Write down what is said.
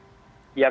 ya kami terus terang